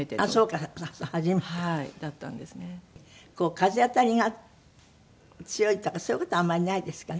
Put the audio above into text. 風当たりが強いとかそういう事はあんまりないですかね？